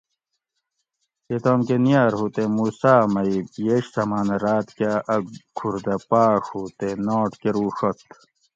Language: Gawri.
یہ تام کہ نیٔر ہو تے موسیٰ می یش سمانہ راۤت کا اۤ کھُور دہ پاۤڛ ہو تے ناٹ کروڛت